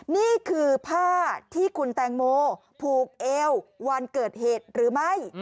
นี่คือผ้าที่คุณแตงโมผูกเอววันเกิดเหตุหรือไม่